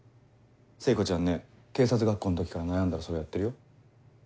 聖子ちゃんね警察学校の時から悩んだらそれやってるよ。